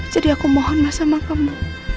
jadi aku mohon sama kamu